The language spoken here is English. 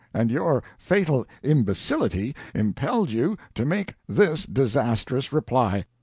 And your fatal imbecility impelled you to make this disastrous reply.